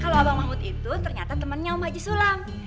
kalau abang mahmud itu ternyata temennya om haji sulam